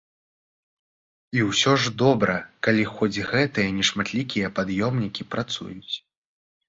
І ўсё ж добра, калі хоць гэтыя нешматлікія пад'ёмнікі працуюць.